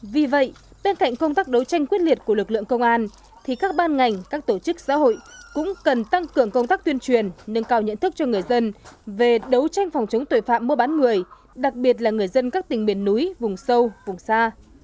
vì vậy bên cạnh công tác đấu tranh quyết liệt của lực lượng công an thì các ban ngành các tổ chức xã hội cũng cần tăng cường công tác tuyên truyền nâng cao nhận thức cho người dân về đấu tranh phòng chống tội phạm mua bán người đặc biệt là người dân các tỉnh miền núi vùng sâu vùng xa